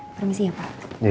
permisi ya pak